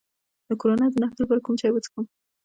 د کرونا د نښو لپاره کوم چای وڅښم؟